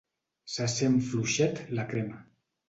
Se sent fluixet «la crema».